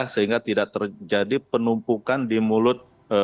sehingga tidak terjadi penumpukan di mulut